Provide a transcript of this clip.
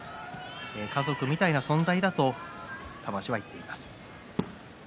家族みたいな存在だと玉鷲は言っています。